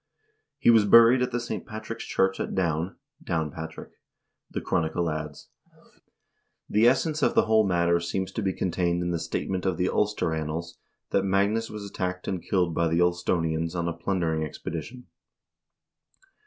He was buried at the St. Patrick's church at Down (Downpatrick), the chronicle adds. The essence of the whole matter seems to be con tained in the statement of the "Ulster Annals" that Magnus was attacked and killed by the Ulstonians on a plundering expedition.